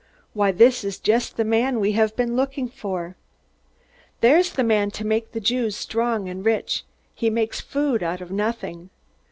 "Why, this is just the man we have been looking for!" "There's the man to make the Jews strong and rich he makes food out of nothing!"